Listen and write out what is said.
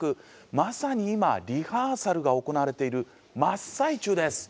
まさに今リハーサルが行われている真っ最中です。